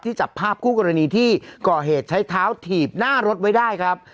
จับภาพคู่กรณีที่ก่อเหตุใช้เท้าถีบหน้ารถไว้ได้ครับ